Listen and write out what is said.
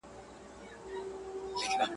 نه د مرګ یې چاته پته لګېدله.